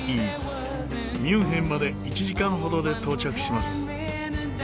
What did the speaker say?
ミュンヘンまで１時間ほどで到着します。